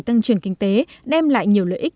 tăng trưởng kinh tế đem lại nhiều lợi ích